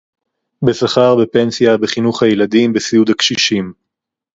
בשכר, בפנסיה, בחינוך הילדים, בסיעוד הקשישים